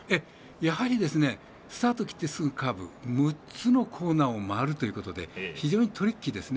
やはりスタート切ってすぐカーブ６つのコーナーを回るということで非常にトリッキーですね。